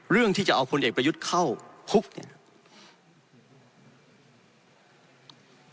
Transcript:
เรื่องที่จะเอาคนเอกไปยุดเข้าคุกเนี่ยครับ